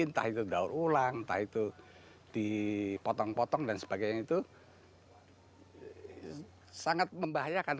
entah itu daur ulang entah itu dipotong potong dan sebagainya itu sangat membahayakan